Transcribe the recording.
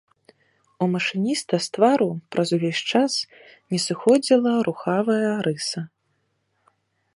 У машыніста з твару праз увесь час не сыходзіла рухавая рыса.